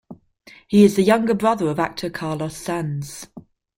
He is the younger brother of actor Carlos Sanz.